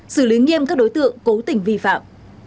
xử lý nghiêm các đối tượng cố tình vi phạm